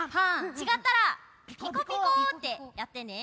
ちがったら「ピコピコ」ってやってね。